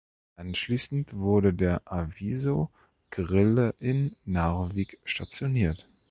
Anschließend wurde der Aviso "Grille" in Narvik stationiert.